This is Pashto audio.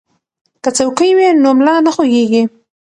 که څوکۍ وي نو ملا نه خوږیږي.